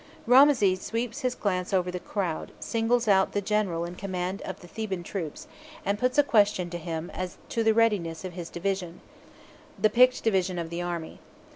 Ramses sweeps his glance over the crowd, singles out the General in command of the Theban troops, and puts a question to him as to the readiness of his division the picked division of the army.